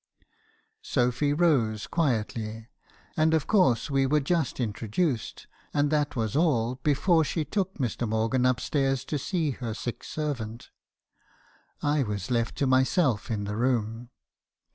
Sophy rose quietly, and of course we were just introduced, and that was all, before she took Mr. Morgan upstairs to see her sick servant. I was left to myself in the room.